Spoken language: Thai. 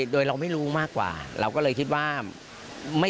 โดยเราไม่รู้มากกว่าเราก็เลยคิดว่า